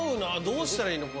どうしたらいいの？